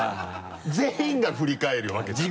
全員が振り返るわけじゃない？